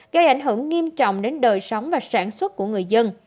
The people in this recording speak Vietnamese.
gây ảnh hưởng nghiêm trọng đến đời sống và sản xuất của người dân